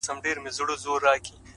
بدراتلونکی دې مستانه حال کي کړې بدل!!